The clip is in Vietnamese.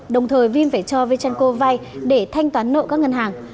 đồng thời vim phải cho v tranco vay để thanh toán nợ các ngân hàng